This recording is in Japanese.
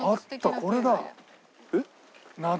これだ。